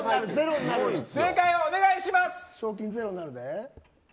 正解をお願いします。